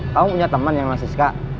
kamu punya teman yang namanya siska